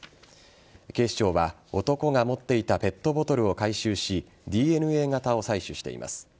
警視庁は男が持っていたペットボトルを回収しＤＮＡ型を採取しています。